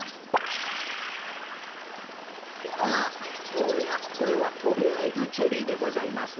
おやこれはとりあえずチェリーでございますね。